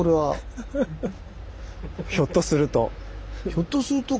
ひょっとすると。